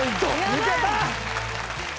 抜けた！